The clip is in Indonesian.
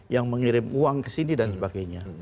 yang mengirim uang ke sini dan sebagainya